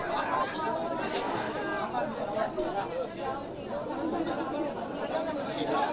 oke kita lihat